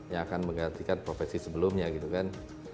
yang akan menggantikan profesi sebelumnya gitu kan